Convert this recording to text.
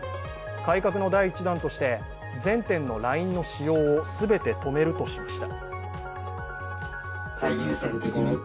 改革の第一弾として全店のＬＩＮＥの使用を全て止めるとしました。